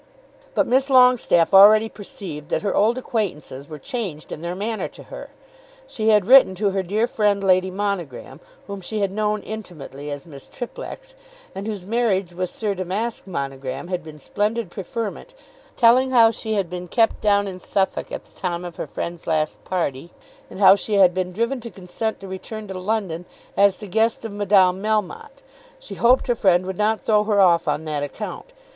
But Miss Longestaffe already perceived that her old acquaintances were changed in their manner to her. She had written to her dear friend Lady Monogram, whom she had known intimately as Miss Triplex, and whose marriage with Sir Damask Monogram had been splendid preferment, telling how she had been kept down in Suffolk at the time of her friend's last party, and how she had been driven to consent to return to London as the guest of Madame Melmotte. She hoped her friend would not throw her off on that account.